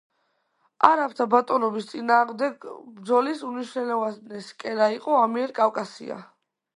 არაბთა ბატონობის წინააღმდეგ ბრძოლის უმნიშვნელოვანესი კერა იყო ამიერკავკასია.